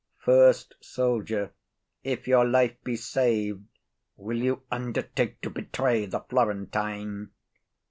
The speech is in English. FIRST SOLDIER. If your life be saved, will you undertake to betray the Florentine?